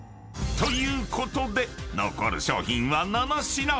［ということで残る商品は７品］